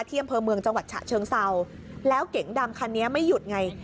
อำเภอเมืองจังหวัดฉะเชิงเซาแล้วเก๋งดำคันนี้ไม่หยุดไง